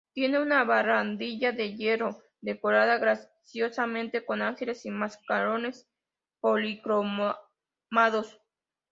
Tiene una barandilla de hierro decorada graciosamente con ángeles y mascarones policromados.